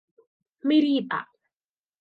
ไม่รีบอะ